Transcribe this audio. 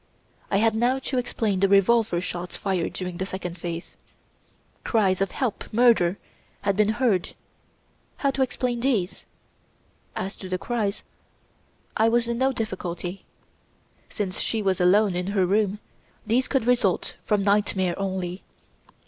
I had now to explain the revolver shots fired during the second phase. Cries of 'Help! Murder!' had been heard. How to explain these? As to the cries, I was in no difficulty; since she was alone in her room these could result from nightmare only.